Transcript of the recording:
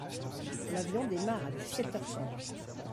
L’avion démarre à dix-sept heures trente.